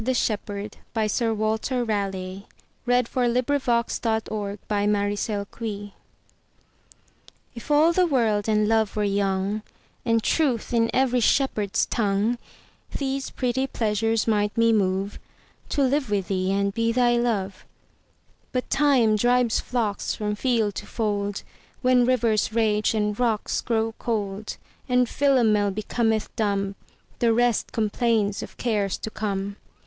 Her Reply (Written by Sir Walter Raleigh) IF all the world and love were young, And truth in every shepherd's tongue, These pretty pleasures might me moveTo live with thee and be thy Love.But Time drives flocks from field to fold; When rivers rage and rocks grow cold; And Philomel becometh dumb; The rest complains of cares to come.